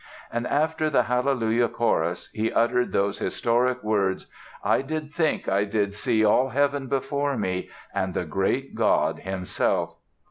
And after the "Hallelujah Chorus" he uttered those historic words: "I did think I did see all Heaven before me, and the great God Himself!"